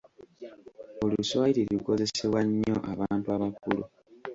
Oluswayiri lukozesebwa nnyo abantu abakulu.